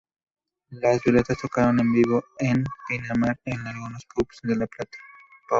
Las Violetas tocaron en vivo en Pinamar y en algunos pubs de La Plata.